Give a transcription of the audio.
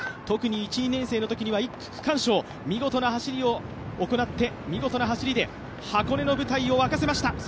特に１、２年生のときには１区区間賞、見事な走りを行って箱根の舞台を沸かせました。